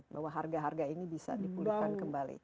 bahwa harga harga ini bisa dipulihkan kembali